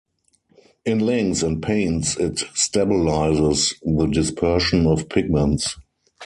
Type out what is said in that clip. In inks and paints it stabilizes the dispersion of pigments.